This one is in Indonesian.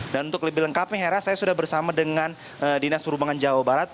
dan untuk lebih lengkapnya hera saya sudah bersama dengan dinas perhubungan jawa barat